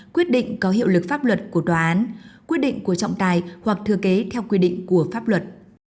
quyết định có hiệu lực pháp luật của tòa án quyết định của trọng tài hoặc thừa kế theo quy định của pháp luật